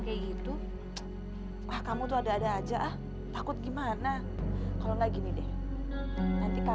lo jujur semuanya tentang mereka ke gue